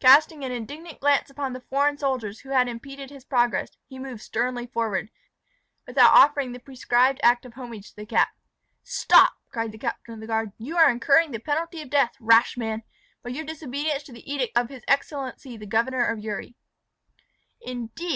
Casting an indignant glance upon the foreign soldiers who had impeded his progress, he moved sternly forward, without offering the prescribed act of homage to the cap. "Stop!" cried the captain of the guard; "you are incurring the penalty of death, rash man, by your disobedience to the edict of his excellency the Governor of Uri." "Indeed!"